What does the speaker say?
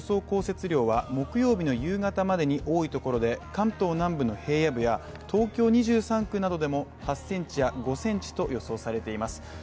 降雪量は木曜日の夕方までに多いところで関東南部の平野部や東京２３区などでも８ｃｍや５ｃｍと予想されています。